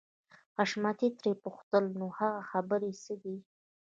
حشمتي ترې وپوښتل نو هغه خبرې څه دي.